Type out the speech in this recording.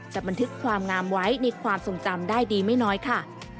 แต่บันทึกความงามไว้ในความทรงจำได้ดีไม่น้อยค่ะ